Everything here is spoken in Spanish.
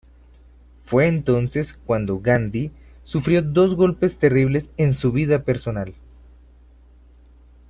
Fue entonces cuando Gandhi sufrió dos golpes terribles en su vida personal.